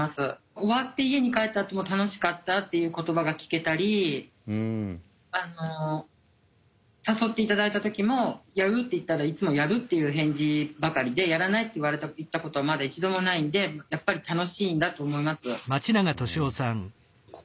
終わって家に帰ったあとも楽しかったっていう言葉が聞けたり誘って頂いた時も「やる？」って言ったらいつも「やる」っていう返事ばかりで「やらない」って言ったことはまだ一度もないんでやっぱり楽しいんだと思います。